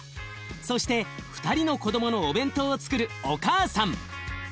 そして２人の子どものお弁当をつくるお母さん。